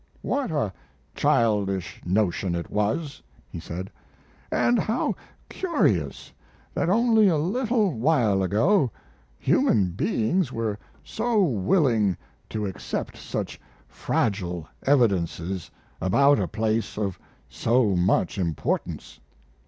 "What a childish notion it was," he said, "and how curious that only a little while ago human beings were so willing to accept such fragile evidences about a place of so much importance.